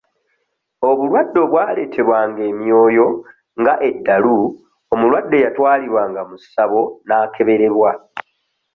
Obulwadde obwaleetebwanga emyoyo nga eddalu omulwadde yatwalibwanga mu ssabo n'akeberebwa.